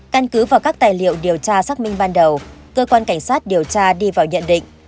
căn cứ vào các tài liệu điều tra xác minh ban đầu cơ quan cảnh sát điều tra đi vào nhận định